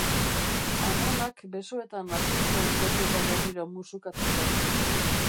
Amonak besoetan hartu zuen behin eta berriro musukatzeko.